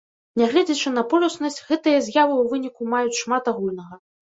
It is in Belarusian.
Нягледзячы на полюснасць, гэтыя з'явы ў выніку маюць шмат агульнага.